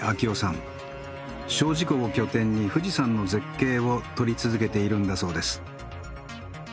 精進湖を拠点に富士山の絶景を撮り続けているんだそうです。